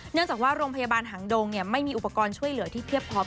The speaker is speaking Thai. เนื่องจากว่าโรงพยาบาลหางดงไม่มีอุปกรณ์ช่วยเหลือที่เทียบพร้อม